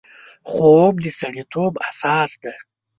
خوب د سړیتوب اساس دی